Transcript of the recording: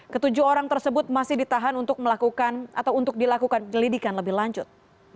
ketujuh orang tersebut masih ditahan untuk dilakukan penyelidikan lebih lanjut